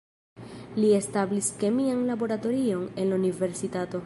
Li establis kemian laboratorion en la universitato.